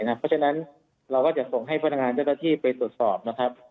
เพราะฉะนั้นเราก็จะส่งให้พนักงานเจ้าหน้าที่ไปตรวจสอบนะครับ